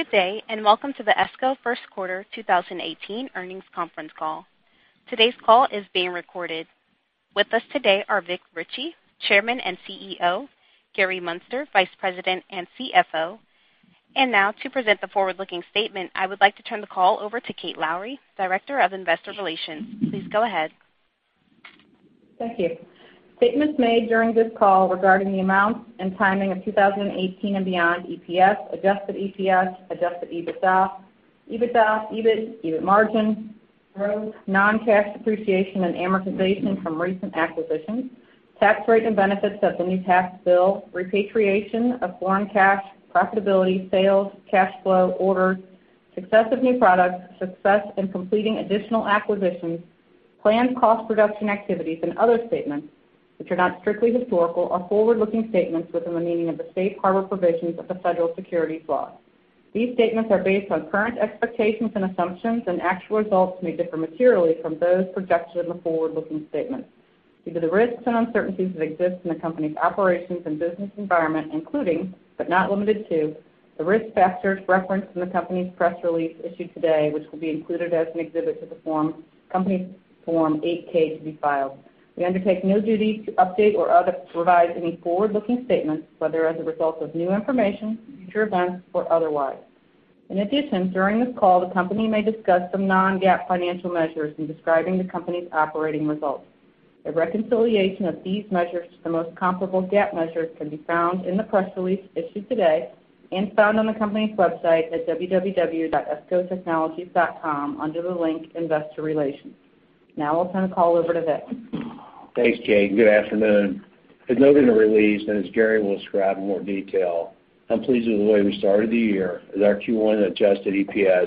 Good day and welcome to the ESCO first quarter 2018 earnings conference call. Today's call is being recorded. With us today are Vic Richey, Chairman and CEO, Gary Muenster, Vice President and CFO, and now, to present the forward-looking statement, I would like to turn the call over to Kate Lowrey, Director of Investor Relations. Please go ahead. Thank you. Statements made during this call regarding the amounts and timing of 2018 and beyond EPS, Adjusted EPS, adjusted EBITDA, EBITDA, EBIT, EBIT margin, growth, non-cash depreciation and amortization from recent acquisitions, tax rate and benefits of the new tax bill, repatriation of foreign cash, profitability, sales, cash flow, orders, success of new products, success in completing additional acquisitions, planned cost production activities, and other statements which are not strictly historical are forward-looking statements within the meaning of the safe harbor provisions of the federal securities law. These statements are based on current expectations and assumptions, and actual results may differ materially from those projected in the forward-looking statements. Due to the risks and uncertainties that exist in the company's operations and business environment, including, but not limited to, the risk factors referenced in the company's press release issued today, which will be included as an exhibit to the company's Form 8-K to be filed, we undertake no duty to update or revise any forward-looking statements, whether as a result of new information, future events, or otherwise. In addition, during this call, the company may discuss some non-GAAP financial measures in describing the company's operating results. A reconciliation of these measures to the most comparable GAAP measures can be found in the press release issued today and found on the company's website at www.escotechnologies.com under the link Investor Relations. Now I'll turn the call over to Vic. Thanks, Kate. Good afternoon. As noted in the release, and as Gary will describe in more detail, I'm pleased with the way we started the year, as our Q1 adjusted EPS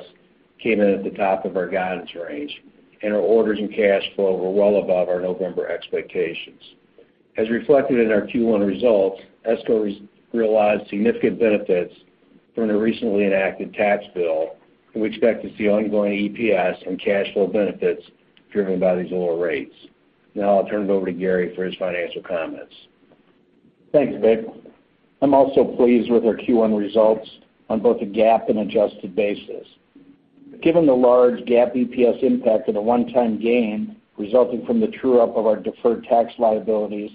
came in at the top of our guidance range, and our orders and cash flow were well above our November expectations. As reflected in our Q1 results, ESCO realized significant benefits from the recently enacted tax bill, and we expect to see ongoing EPS and cash flow benefits driven by these lower rates. Now I'll turn it over to Gary for his financial comments. Thanks, Vic. I'm also pleased with our Q1 results on both a GAAP and adjusted basis. Given the large GAAP EPS impact and the one-time gain resulting from the true-up of our deferred tax liabilities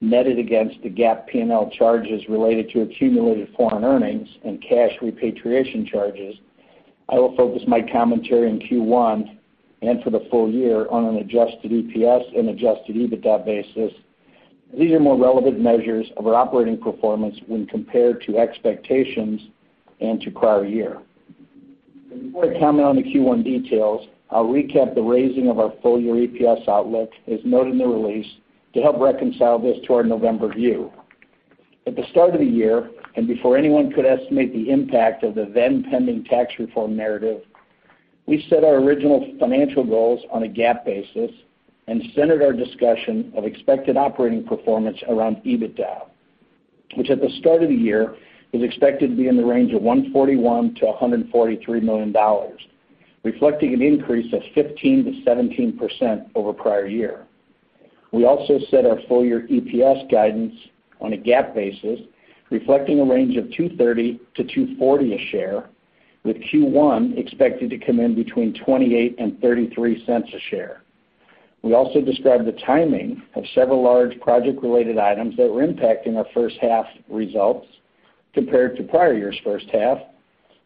netted against the GAAP P&L charges related to accumulated foreign earnings and cash repatriation charges, I will focus my commentary in Q1 and for the full year on an adjusted EPS and adjusted EBITDA basis. These are more relevant measures of our operating performance when compared to expectations and to prior year. Before I comment on the Q1 details, I'll recap the raising of our full-year EPS outlook, as noted in the release, to help reconcile this to our November view. At the start of the year and before anyone could estimate the impact of the then-pending tax reform narrative, we set our original financial goals on a GAAP basis and centered our discussion of expected operating performance around EBITDA, which at the start of the year is expected to be in the range of $141-$143 million, reflecting an increase of 15%-17% over prior year. We also set our full-year EPS guidance on a GAAP basis, reflecting a range of $2.30-$2.40 a share, with Q1 expected to come in between $0.28 and $0.33 a share. We also described the timing of several large project-related items that were impacting our first-half results compared to prior year's first-half,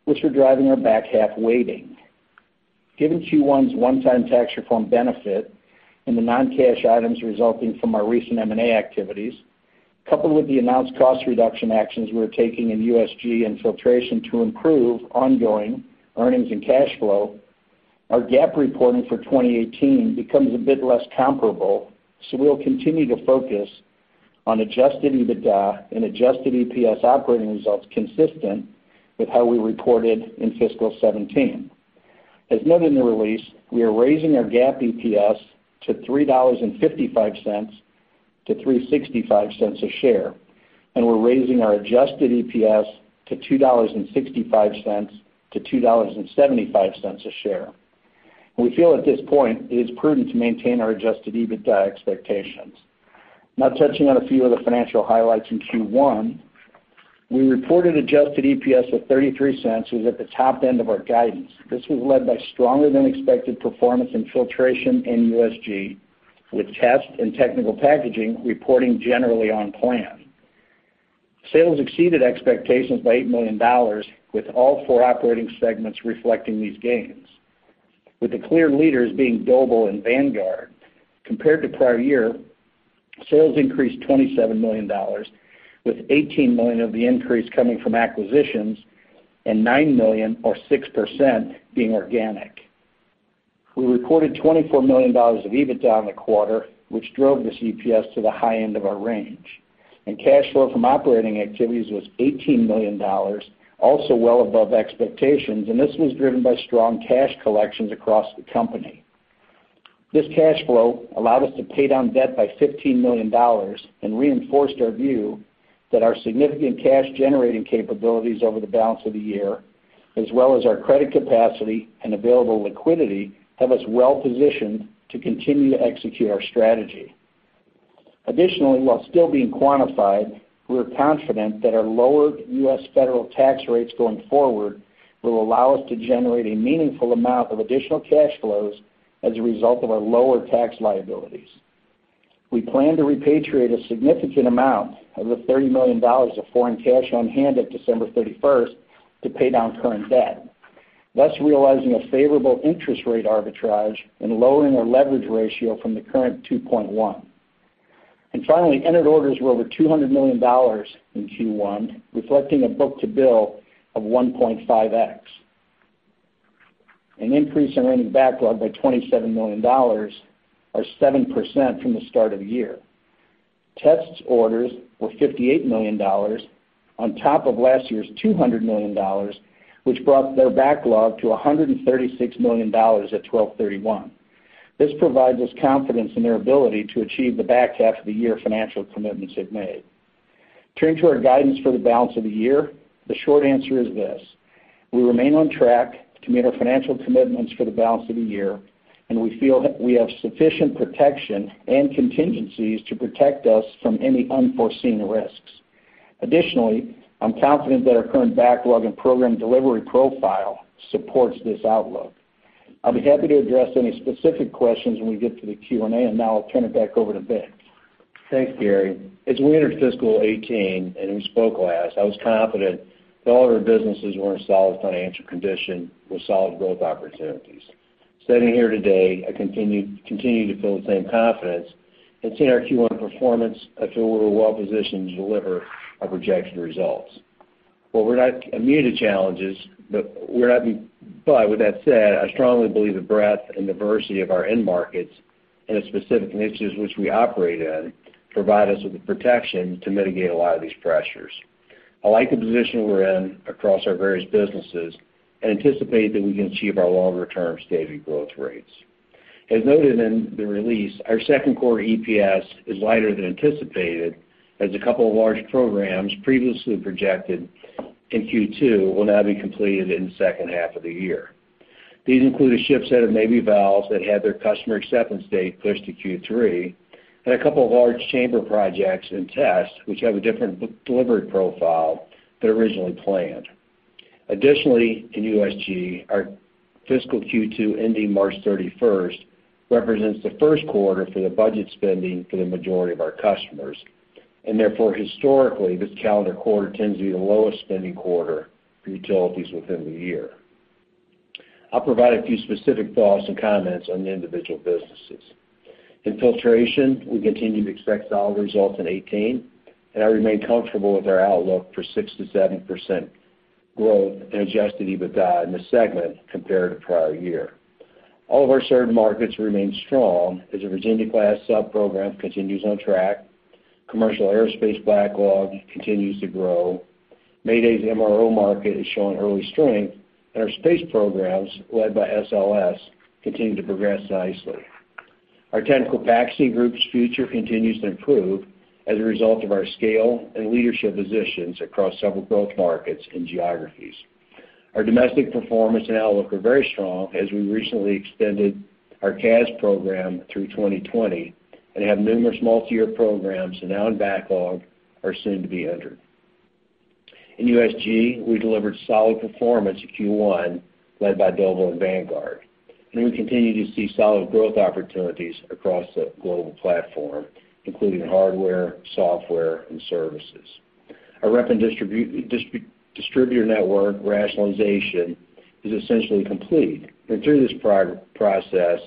which were driving our back-half weighting. Given Q1's one-time tax reform benefit and the non-cash items resulting from our recent M&A activities, coupled with the announced cost reduction actions we were taking in USG Filtration to improve ongoing earnings and cash flow, our GAAP reporting for 2018 becomes a bit less comparable, so we'll continue to focus on adjusted EBITDA and adjusted EPS operating results consistent with how we reported in fiscal 2017. As noted in the release, we are raising our GAAP EPS to $3.55-$3.65 a share, and we're raising our adjusted EPS to $2.65-$2.75 a share. We feel at this point it is prudent to maintain our adjusted EBITDA expectations. Now touching on a few of the financial highlights in Q1, we reported adjusted EPS of $0.33 was at the top end of our guidance. This was led by stronger-than-expected performance in the USG, with Test and Technical Packaging reporting generally on plan. Sales exceeded expectations by $8 million, with all four operating segments reflecting these gains. With the clear leaders being Doble and Vanguard, compared to prior year, sales increased $27 million, with $18 million of the increase coming from acquisitions and $9 million, or 6%, being organic. We reported $24 million of EBITDA on the quarter, which drove this EPS to the high end of our range. Cash flow from operating activities was $18 million, also well above expectations, and this was driven by strong cash collections across the company. This cash flow allowed us to pay down debt by $15 million and reinforced our view that our significant cash-generating capabilities over the balance of the year, as well as our credit capacity and available liquidity, have us well positioned to continue to execute our strategy. Additionally, while still being quantified, we're confident that our lower U.S. federal tax rates going forward will allow us to generate a meaningful amount of additional cash flows as a result of our lower tax liabilities. We plan to repatriate a significant amount of the $30 million of foreign cash on hand at December 31st to pay down current debt, thus realizing a favorable interest rate arbitrage and lowering our leverage ratio from the current 2.1. And finally, entered orders were over $200 million in Q1, reflecting a book-to-bill of 1.5x. An increase in order backlog by $27 million or 7% from the start of the year. Test orders were $58 million on top of last year's $200 million, which brought their backlog to $136 million at 12/31. This provides us confidence in their ability to achieve the back half of the year financial commitments they've made. Turning to our guidance for the balance of the year, the short answer is this: we remain on track to meet our financial commitments for the balance of the year, and we feel we have sufficient protection and contingencies to protect us from any unforeseen risks. Additionally, I'm confident that our current backlog and program delivery profile supports this outlook. I'll be happy to address any specific questions when we get to the Q&A, and now I'll turn it back over to Vic. Thanks, Gary. As we entered fiscal 2018 and we spoke last, I was confident that all of our businesses were in solid financial condition with solid growth opportunities. Sitting here today, I feel the same confidence, and seeing our Q1 performance, I feel we were well positioned to deliver our projected results. Well, we're not immune to challenges, but with that said, I strongly believe the breadth and diversity of our end markets and the specific niches which we operate in provide us with the protection to mitigate a lot of these pressures. I like the position we're in across our various businesses and anticipate that we can achieve our longer-term steady growth rates. As noted in the release, our second quarter EPS is lighter than anticipated, as a couple of large programs previously projected in Q2 will now be completed in the second half of the year. These include a ship set of Navy valves that had their customer acceptance date pushed to Q3, and a couple of large chamber projects and Tests which have a different delivery profile than originally planned. Additionally, in USG, our fiscal Q2 ending March 31st represents the first quarter for the budget spending for the majority of our customers, and therefore, historically, this calendar quarter tends to be the lowest spending quarter for utilities within the year. I'll provide a few specific thoughts and comments on the individual businesses. Filtration, we continue to expect solid results in 2018, and I remain comfortable with our outlook for 6%-7% growth in adjusted EBITDA in this segment compared to prior year. All of our certain markets remain strong as the Virginia-class subprogram continues on track, commercial aerospace backlog continues to grow, Mayday's MRO market is showing early strength, and our space programs led by SLS continue to progress nicely. Our Technical Packaging group's future continues to improve as a result of our scale and leadership positions across several growth markets and geographies. Our domestic performance and outlook are very strong as we recently extended our CaaS program through 2020 and have numerous multi-year programs now in backlog are soon to be entered. In USG, we delivered solid performance in Q1 led by Doble and Vanguard, and we continue to see solid growth opportunities across the global platform, including hardware, software, and services. Our rep and distributor network rationalization is essentially complete, and through this process,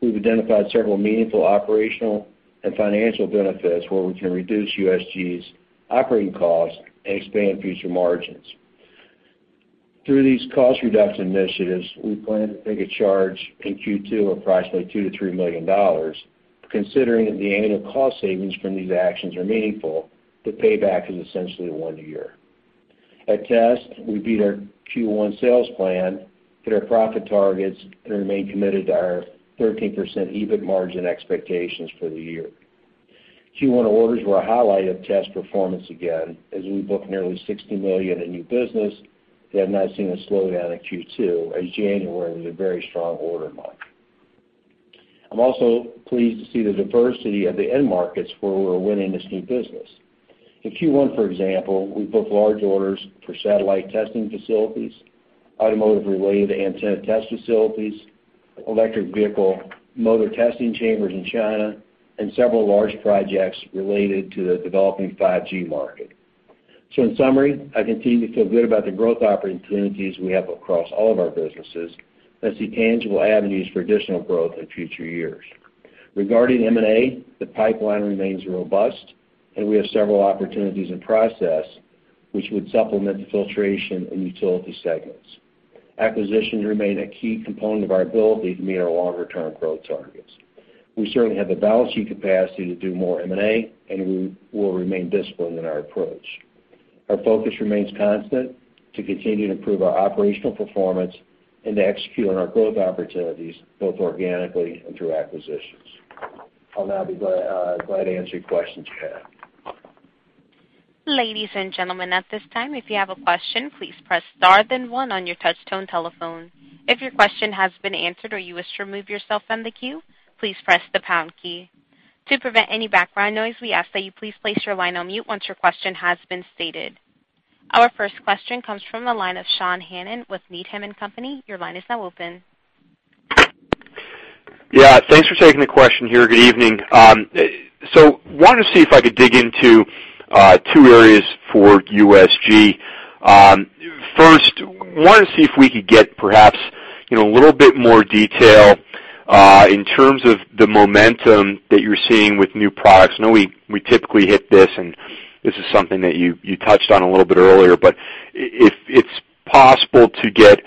we've identified several meaningful operational and financial benefits where we can reduce USG's operating costs and expand future margins. Through these cost reduction initiatives, we plan to take a charge in Q2 of approximately $2-$3 million, considering that the annual cost savings from these actions are meaningful. The payback is essentially one year. At Test, we beat our Q1 sales plan, hit our profit targets, and remain committed to our 13% EBIT margin expectations for the year. Q1 orders were a highlight of Test performance again as we booked nearly $60 million in new business that have not seen a slowdown in Q2, as January was a very strong order month. I'm also pleased to see the diversity of the end markets where we're winning this new business. In Q1, for example, we booked large orders for satellite Testing facilities, automotive-related antenna Test facilities, electric vehicle motor Testing chambers in China, and several large projects related to the developing 5G market. So in summary, I continue to feel good about the growth opportunities we have across all of our businesses and see tangible avenues for additional growth in future years. Regarding M&A, the pipeline remains robust, and we have several opportunities in process which would supplement the Filtration and utility segments. Acquisitions remain a key component of our ability to meet our longer-term growth targets. We certainly have the balance sheet capacity to do more M&A, and we will remain disciplined in our approach. Our focus remains constant to continue to improve our operational performance and to execute on our growth opportunities both organically and through acquisitions. I'll now be glad to answer your questions you have. Ladies and gentlemen, at this time, if you have a question, please press star then one on your touch-tone telephone. If your question has been answered or you wish to remove yourself from the queue, please press the pound key. To prevent any background noise, we ask that you please place your line on mute once your question has been stated. Our first question comes from the line of Sean Hannan with Needham & Company. Your line is now open. Yeah. Thanks for taking the question here. Good evening. So I wanted to see if I could dig into two areas for USG. First, I wanted to see if we could get perhaps a little bit more detail in terms of the momentum that you're seeing with new products. I know we typically hit this, and this is something that you touched on a little bit earlier, but if it's possible to get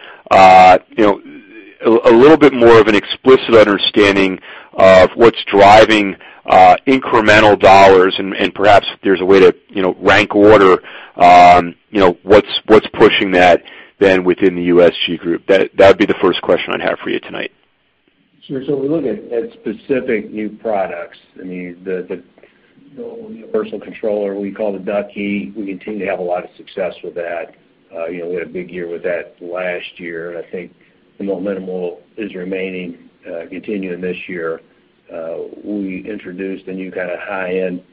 a little bit more of an explicit understanding of what's driving incremental dollars and perhaps if there's a way to rank order what's pushing that then within the USG group. That would be the first question I'd have for you tonight. Sure. So if we look at specific new products, I mean, the personal controller we call the Ducky, we continue to have a lot of success with that. We had a big year with that last year, and I think the momentum is remaining continuing this year. We introduced a new kind of high-end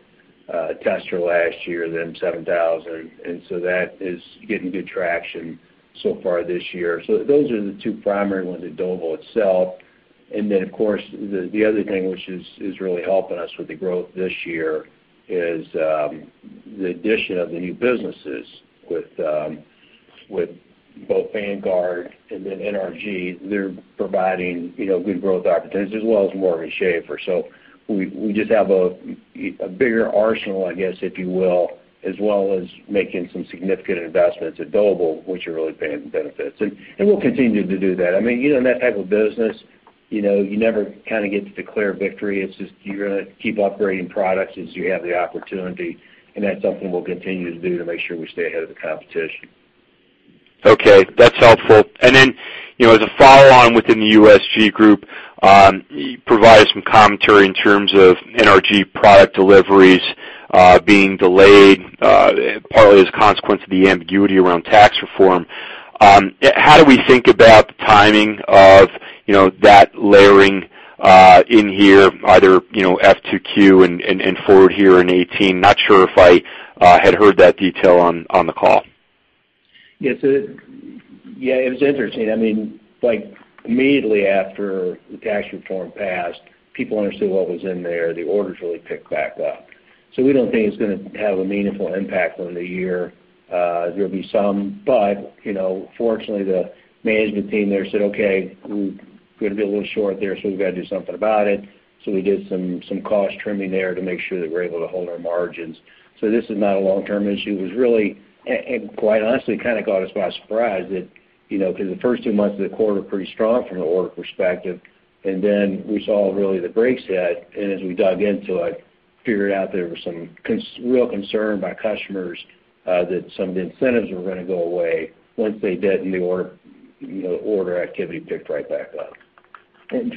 Tester last year, the M7100, and so that is getting good traction so far this year. So those are the two primary ones at Doble itself. And then, of course, the other thing which is really helping us with the growth this year is the addition of the new businesses with both Vanguard and then NRG. They're providing good growth opportunities as well as Morgan Schaffer. So we just have a bigger arsenal, I guess, if you will, as well as making some significant investments at Doble, which are really paying benefits. We'll continue to do that. I mean, in that type of business, you never kind of get to declare victory. It's just you're going to keep upgrading products as you have the opportunity, and that's something we'll continue to do to make sure we stay ahead of the competition. Okay. That's helpful. And then as a follow-on within the USG group, you provided some commentary in terms of NRG product deliveries being delayed partly as a consequence of the ambiguity around tax reform. How do we think about the timing of that layering in here, either F2Q and forward here in 2018? Not sure if I had heard that detail on the call. Yeah. So yeah, it was interesting. I mean, immediately after the tax reform passed, people understood what was in there. The orders really picked back up. So we don't think it's going to have a meaningful impact on the year. There'll be some, but fortunately, the management team there said, "Okay. We're going to be a little short there, so we've got to do something about it." So we did some cost trimming there to make sure that we're able to hold our margins. So this is not a long-term issue. It was really, quite honestly, kind of caught us by surprise because the first two months of the quarter were pretty strong from an order perspective, and then we saw really the brakes hit. As we dug into it, figured out there was some real concern by customers that some of the incentives were going to go away once they did, and the order activity picked right back up.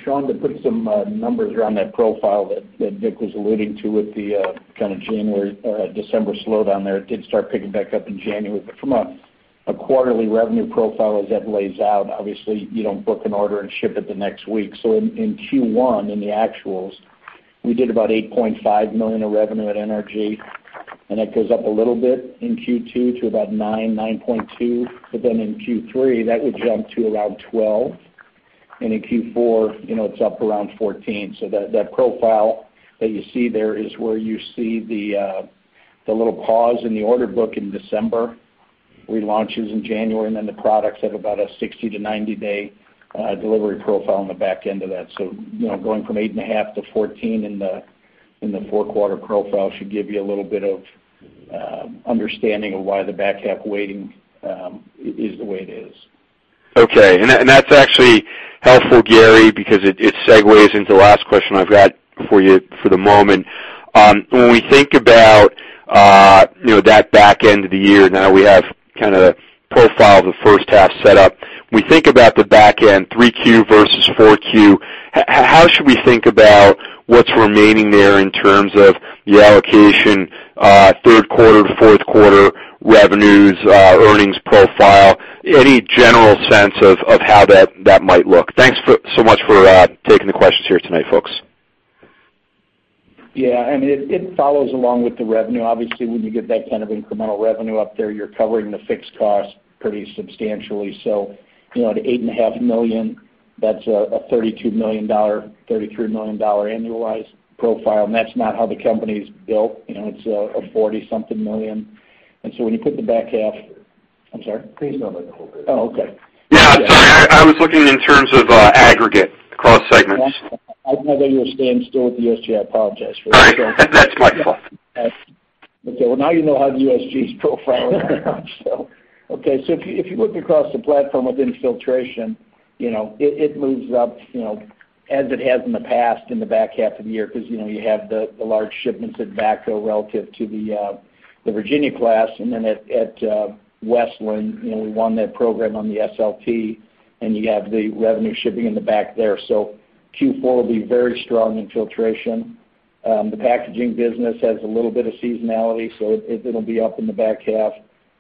Sean, to put some numbers around that profile that Vic was alluding to with the kind of January or December slowdown there, it did start picking back up in January. But from a quarterly revenue profile, as that lays out, obviously, you don't book an order and ship it the next week. So in Q1, in the actuals, we did about $8.5 million of revenue at NRG, and that goes up a little bit in Q2 to about $9-$9.2 million. But then in Q3, that would jump to around $12 million, and in Q4, it's up around $14 million. So that profile that you see there is where you see the little pause in the order book in December. Relaunches in January, and then the products have about a 60-90-day delivery profile on the back end of that. Going from 8.5-14 in the four-quarter profile should give you a little bit of understanding of why the back half weighting is the way it is. Okay. And that's actually helpful, Gary, because it segues into the last question I've got for you for the moment. When we think about that back end of the year now, we have kind of the profile of the first half set up. When we think about the back end, 3Q versus 4Q, how should we think about what's remaining there in terms of the allocation, third quarter, fourth quarter revenues, earnings profile, any general sense of how that might look? Thanks so much for taking the questions here tonight, folks. Yeah. I mean, it follows along with the revenue. Obviously, when you get that kind of incremental revenue up there, you're covering the fixed costs pretty substantially. So at $8.5 million, that's a $32 million-$33 million annualized profile, and that's not how the company's built. It's a 40-something million. And so when you put the back half I'm sorry? Please don't make the whole video. Oh, okay. Yeah. Sorry. I was looking in terms of aggregate across segments. I know that you were staying still with the USG. I apologize for that, Sean. All right. That's my fault. Okay. Well, now you know how the USG's profile is right now, so. Okay. So if you look across the platform with Filtration, it moves up as it has in the past in the back half of the year because you have the large shipments at VACCO relative to the Virginia-class. And then at Westland, we won that program on the SLS, and you have the revenue shipping in the back there. So Q4 will be very strong Filtration. The packaging business has a little bit of seasonality, so it'll be up in the back half.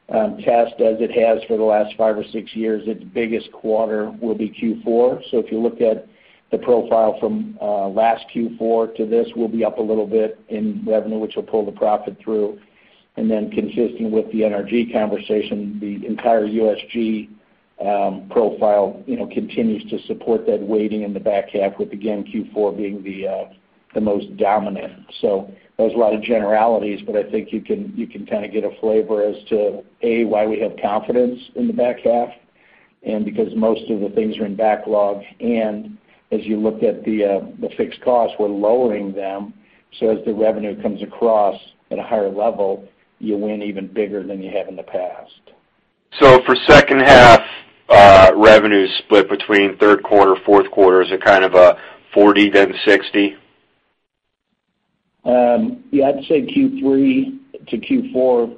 Test, as it has for the last five or six years, its biggest quarter will be Q4. So if you look at the profile from last Q4 to this, we'll be up a little bit in revenue, which will pull the profit through. And then consistent with the NRG conversation, the entire USG profile continues to support that waiting in the back half with, again, Q4 being the most dominant. So there's a lot of generalities, but I think you can kind of get a flavor as to, A, why we have confidence in the back half and because most of the things are in backlog. And as you look at the fixed costs, we're lowering them. So as the revenue comes across at a higher level, you win even bigger than you have in the past. For second-half revenue split between third quarter, fourth quarter, is it kind of a 40 then 60? Yeah. I'd say Q3 to Q4,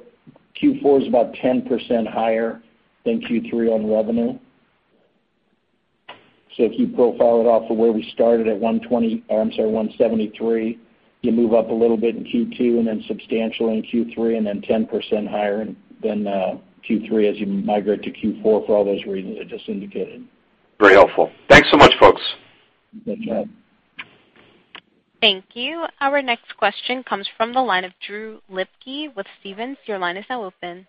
Q4 is about 10% higher than Q3 on revenue. So if you profile it off of where we started at $120 or I'm sorry, $173, you move up a little bit in Q2 and then substantially in Q3 and then 10% higher than Q3 as you migrate to Q4 for all those reasons I just indicated. Very helpful. Thanks so much, folks. You bet. You bet. Thank you. Our next question comes from the line of Drew Lipke with Stephens. Your line is now open.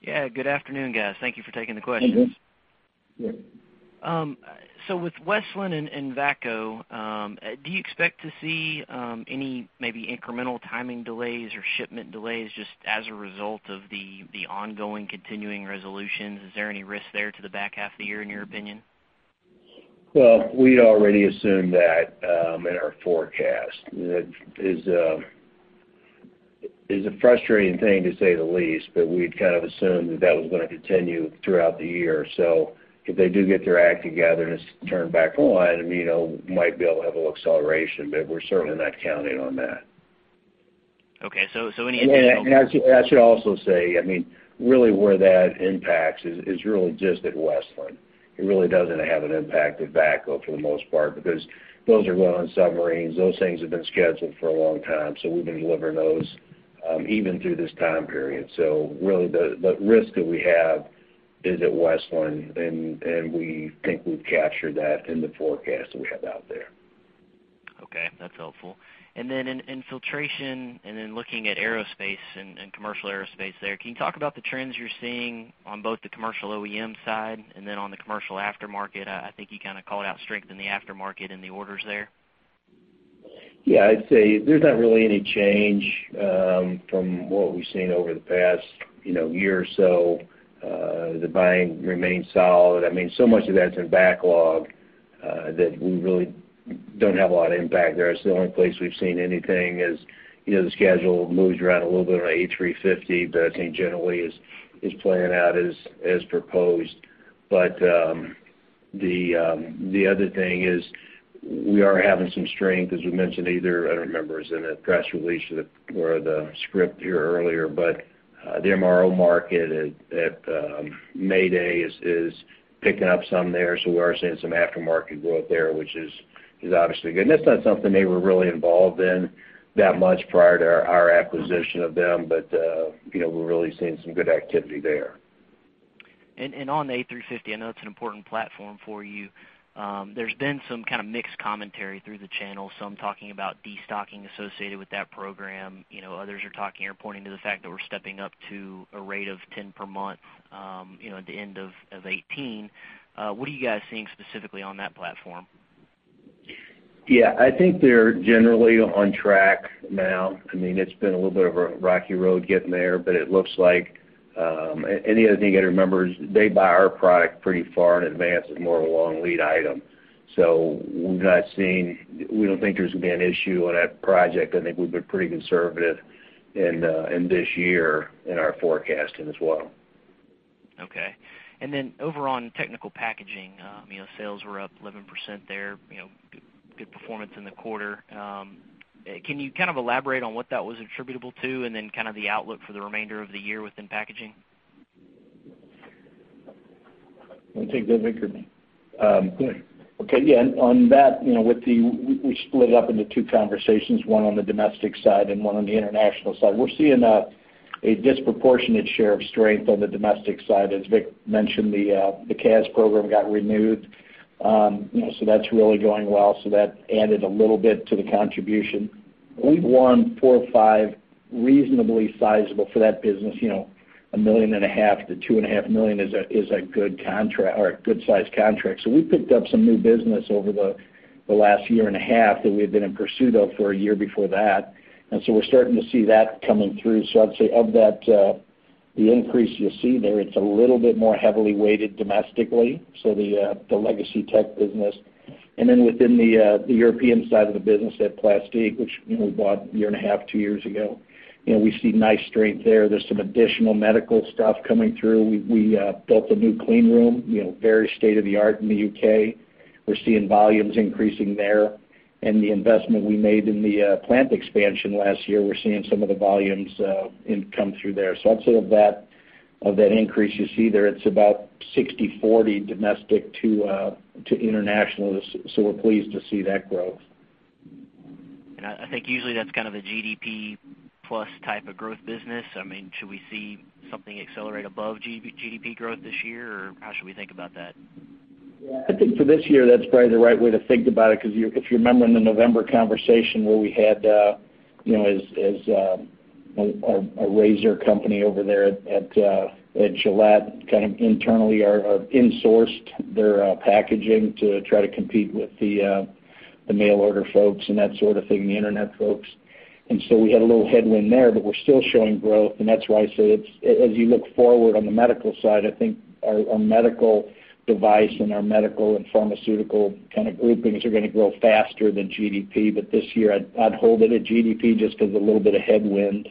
Yeah. Good afternoon, guys. Thank you for taking the question. Hey, Drew. Yeah. So with Westland and VACCO, do you expect to see any maybe incremental timing delays or shipment delays just as a result of the ongoing continuing resolutions? Is there any risk there to the back half of the year, in your opinion? Well, we already assumed that in our forecast. It is a frustrating thing, to say the least, but we'd kind of assumed that that was going to continue throughout the year. So if they do get their act together and it's turned back on, I mean, we might be able to have a little acceleration, but we're certainly not counting on that. Okay. So any additional. Yeah. And I should also say, I mean, really where that impacts is really just at Westland. It really doesn't have an impact at VACCO for the most part because those are run on submarines. Those things have been scheduled for a long time, so we've been delivering those even through this time period. So really, the risk that we have is at Westland, and we think we've captured that in the forecast that we have out there. Okay. That's helpful. And then in Filtration and then looking at Aerospace and commercial aerospace there, can you talk about the trends you're seeing on both the commercial OEM side and then on the commercial aftermarket? I think you kind of called out strength in the aftermarket and the orders there. Yeah. I'd say there's not really any change from what we've seen over the past year or so. The buying remains solid. I mean, so much of that's in backlog that we really don't have a lot of impact there. I'd say the only place we've seen anything is the schedule moves around a little bit on an A350, but I think generally is playing out as proposed. But the other thing is we are having some strength, as we mentioned, either I don't remember. It was in a press release or the script here earlier, but the MRO market at Mayday is picking up some there. So we are seeing some aftermarket growth there, which is obviously good. And that's not something they were really involved in that much prior to our acquisition of them, but we're really seeing some good activity there. On the A350, I know it's an important platform for you. There's been some kind of mixed commentary through the channel, some talking about destocking associated with that program. Others are talking or pointing to the fact that we're stepping up to a rate of 10 per month at the end of 2018. What are you guys seeing specifically on that platform? Yeah. I think they're generally on track now. I mean, it's been a little bit of a rocky road getting there, but it looks like any other thing you got to remember is they buy our product pretty far in advance. It's more of a long lead item. So we don't think there's going to be an issue on that project. I think we've been pretty conservative in this year in our forecasting as well. Okay. Then over on Technical Packaging, sales were up 11% there, good performance in the quarter. Can you kind of elaborate on what that was attributable to and then kind of the outlook for the remainder of the year within packaging? I think that, Vic, could go ahead. Okay. Yeah. On that, with that, we split it up into two conversations, one on the domestic side and one on the international side. We're seeing a disproportionate share of strength on the domestic side. As Vic mentioned, the CaaS program got renewed, so that's really going well. So that added a little bit to the contribution. We've won four or five reasonably sizable for that business. $1.5 million-$2.5 million is a good contract or a good-sized contract. So we picked up some new business over the last year and a half that we had been in pursuit of for a year before that. And so we're starting to see that coming through. So I'd say of the increase you see there, it's a little bit more heavily weighted domestically, so the legacy tech business. And then within the European side of the business at Plastique, which we bought a year and a half, two years ago, we see nice strength there. There's some additional medical stuff coming through. We built a new clean room, very state-of-the-art in the U.K. We're seeing volumes increasing there. And the investment we made in the plant expansion last year, we're seeing some of the volumes come through there. So I'd say of that increase you see there, it's about 60/40 domestic to international, so we're pleased to see that growth. I think usually, that's kind of a GDP-plus type of growth business. I mean, should we see something accelerate above GDP growth this year, or how should we think about that? Yeah. I think for this year, that's probably the right way to think about it because if you remember in the November conversation where we had as a razor company over there at Gillette, kind of internally insourced their packaging to try to compete with the mail order folks and that sort of thing, the internet folks. And so we had a little headwind there, but we're still showing growth. And that's why I say as you look forward on the medical side, I think our medical device and our medical and pharmaceutical kind of groupings are going to grow faster than GDP. But this year, I'd hold it at GDP just because of a little bit of headwind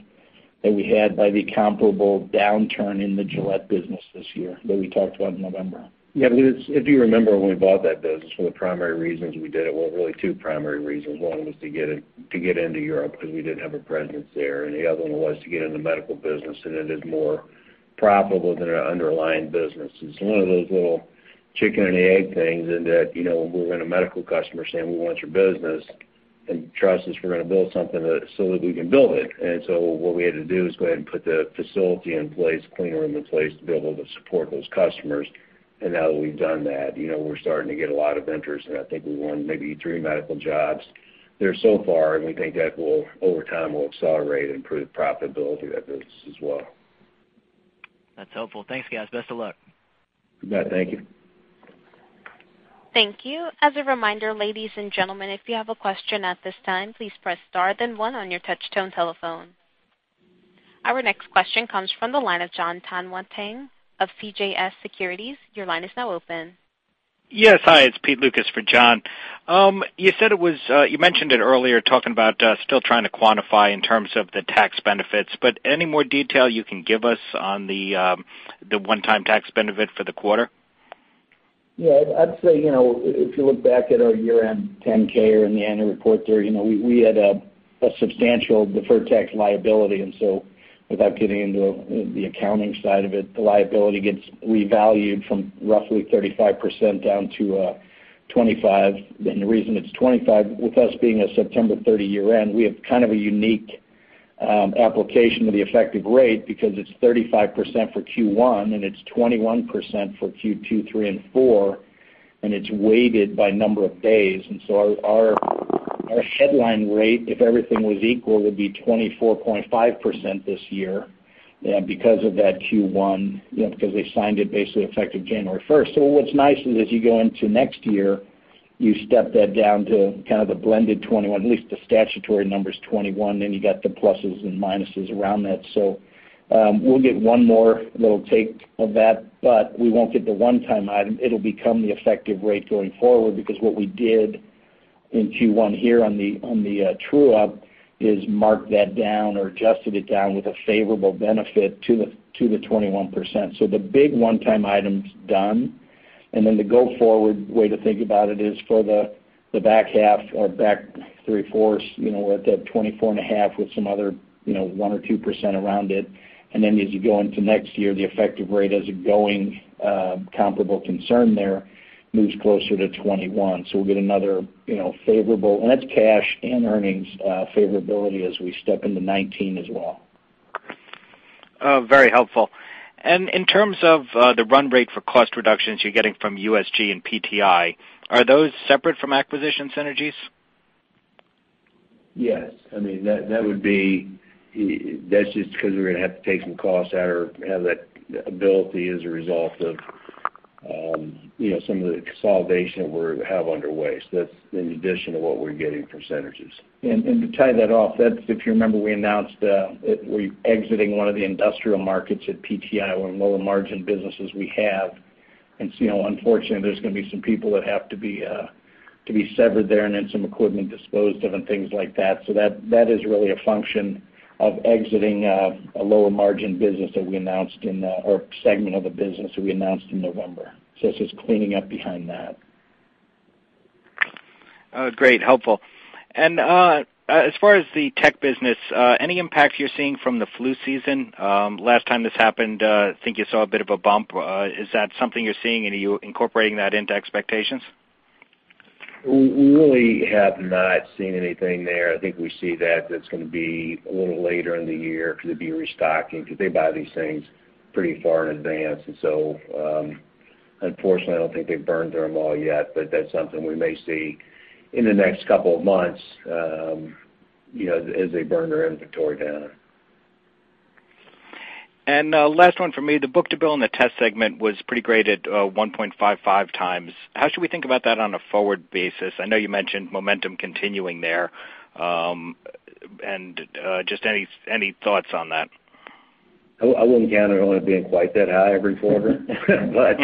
that we had by the comparable downturn in the Gillette business this year that we talked about in November. Yeah. If you remember when we bought that business, one of the primary reasons we did it, well, really two primary reasons. One was to get into Europe because we didn't have a presence there, and the other one was to get into medical business, and it is more profitable than an underlying business. It's one of those little chicken and egg things in that when we're going to medical customers saying, "We want your business," and trust us, we're going to build something so that we can build it. And so what we had to do is go ahead and put the facility in place, clean room in place to be able to support those customers. And now that we've done that, we're starting to get a lot of interest, and I think we won maybe three medical jobs there so far. We think that over time, we'll accelerate and improve profitability of that business as well. That's helpful. Thanks, guys. Best of luck. You bet. Thank you. Thank you. As a reminder, ladies and gentlemen, if you have a question at this time, please press star then one on your touch-tone telephone. Our next question comes from the line of John Tanwanteng of CJS Securities. Your line is now open. Yes. Hi. It's Pete Lucas for John. You said it was you mentioned it earlier talking about still trying to quantify in terms of the tax benefits, but any more detail you can give us on the one-time tax benefit for the quarter? Yeah. I'd say if you look back at our year-end 10-K or in the annual report there, we had a substantial deferred tax liability. And so without getting into the accounting side of it, the liability gets revalued from roughly 35% down to 25%. And the reason it's 25% with us being a September 30 year-end, we have kind of a unique application to the effective rate because it's 35% for Q1, and it's 21% for Q2, 3, and 4, and it's weighted by number of days. And so our headline rate, if everything was equal, would be 24.5% this year because of that Q1 because they signed it basically effective January 1st. So what's nice is as you go into next year, you step that down to kind of the blended 21%, at least the statutory number's 21%, and you got the pluses and minuses around that. So we'll get one more little take of that, but we won't get the one-time item. It'll become the effective rate going forward because what we did in Q1 here on the true-up is mark that down or adjusted it down with a favorable benefit to the 21%. So the big one-time item's done. And then the go-forward way to think about it is for the back half or back three, fours, we're at that 24.5% with some other 1% or 2% around it. And then as you go into next year, the effective rate as a going comparable concern there moves closer to 21%. So we'll get another favorable and that's cash and earnings favorability as we step into 2019 as well. Very helpful. And in terms of the run rate for cost reductions you're getting from USG and PTI, are those separate from acquisition synergies? Yes. I mean, that would be, that's just because we're going to have to take some costs out or have that ability as a result of some of the consolidation that we have underway. So that's in addition to what we're getting from synergies. To tie that off, if you remember, we announced we're exiting one of the industrial markets at PTI. We're in lower-margin businesses we have. Unfortunately, there's going to be some people that have to be severed there and then some equipment disposed of and things like that. That is really a function of exiting a lower-margin business that we announced in our segment of the business that we announced in November. It's just cleaning up behind that. Great. Helpful. And as far as the tech business, any impact you're seeing from the flu season? Last time this happened, I think you saw a bit of a bump. Is that something you're seeing? Are you incorporating that into expectations? We really have not seen anything there. I think we see that that's going to be a little later in the year because they'd be restocking because they buy these things pretty far in advance. And so unfortunately, I don't think they've burned through them all yet, but that's something we may see in the next couple of months as they burn their inventory down. Last one for me. The book-to-bill and the Test segment was pretty great at 1.55 times. How should we think about that on a forward basis? I know you mentioned momentum continuing there. Just any thoughts on that? I wouldn't count it on it being quite that high every quarter, but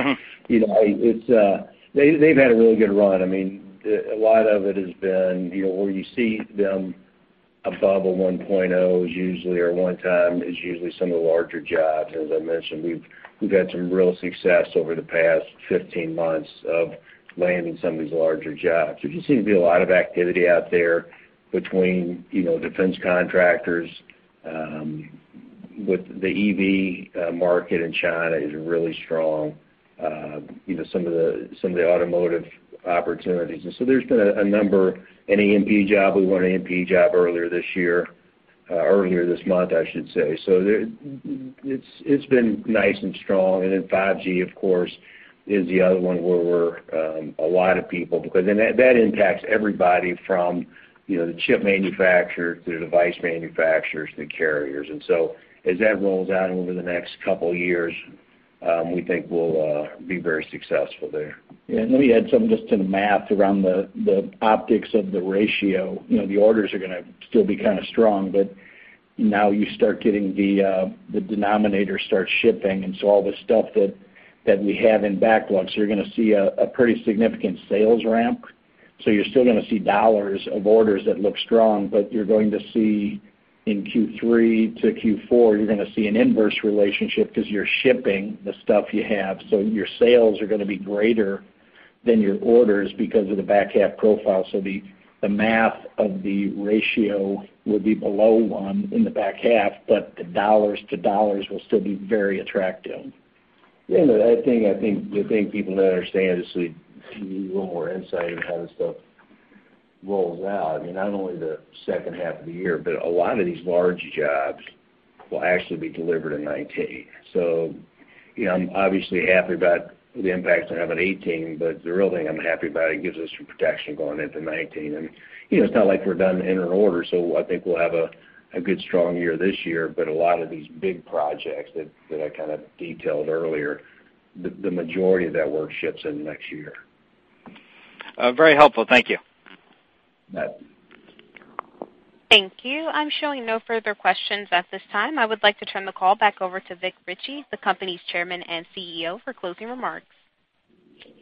they've had a really good run. I mean, a lot of it has been where you see them above a 1.0 usually or one time is usually some of the larger jobs. And as I mentioned, we've had some real success over the past 15 months of landing some of these larger jobs. There just seems to be a lot of activity out there between defense contractors. The EV market in China is really strong, some of the automotive opportunities. And so there's been a number. An EMP job, we won an EMP job earlier this year, earlier this month, I should say. So it's been nice and strong. And then 5G, of course, is the other one where we're a lot of people because then that impacts everybody from the chip manufacturers to the device manufacturers to the carriers. And so as that rolls out over the next couple of years, we think we'll be very successful there. Yeah. And let me add something just to the math around the optics of the ratio. The orders are going to still be kind of strong, but now you start getting the denominator starts shipping. And so all this stuff that we have in backlogs, you're going to see a pretty significant sales ramp. So you're still going to see dollars of orders that look strong, but you're going to see in Q3 to Q4, you're going to see an inverse relationship because you're shipping the stuff you have. So your sales are going to be greater than your orders because of the back half profile. So the math of the ratio would be below one in the back half, but the dollars-to-dollars will still be very attractive. Yeah. The thing I think people don't understand is we need a little more insight into how this stuff rolls out, not only the second half of the year, but a lot of these large jobs will actually be delivered in 2019. So I'm obviously happy about the impacts they're having in 2018, but the real thing I'm happy about, it gives us some protection going into 2019. And it's not like we're done entering orders. So I think we'll have a good, strong year this year. But a lot of these big projects that I kind of detailed earlier, the majority of that work ships in next year. Very helpful. Thank you. You bet. Thank you. I'm showing no further questions at this time. I would like to turn the call back over to Vic Richey, the company's Chairman and CEO, for closing remarks.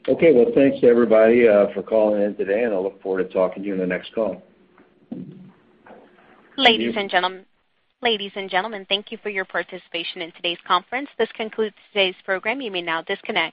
Okay. Well, thanks, everybody, for calling in today, and I look forward to talking to you on the next call. Ladies and gentlemen, thank you for your participation in today's conference. This concludes today's program. You may now disconnect.